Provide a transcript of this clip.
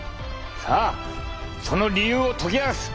さあその理由を解き明かす